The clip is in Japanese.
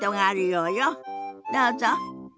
どうぞ。